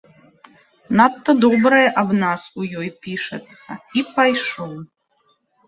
Надта добрае аб нас у ёй пішацца, і пайшоў.